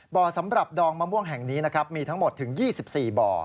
สำหรับดองมะม่วงแห่งนี้นะครับมีทั้งหมดถึง๒๔บ่อ